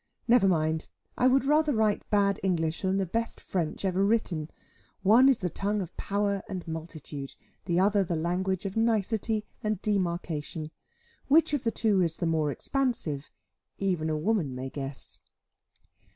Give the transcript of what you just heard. Never mind; I would rather write bad English, than the best French ever written. One is the tongue of power and multitude: the other the language of nicety and demarcation. Which of the two is the more expansive, even a woman may guess.